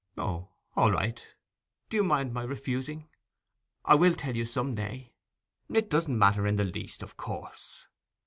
'O, all right.' 'Do you mind my refusing? I will tell you some day.' 'It doesn't matter in the least, of course.